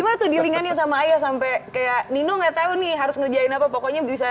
gimana tuh dilinganin sama ayah sampai kayak nino nggak tau nih harus ngerjain apa pokoknya bisa